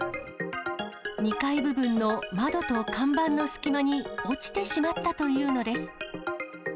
２階部分の窓と看板の隙間に落ちてしまったというのです。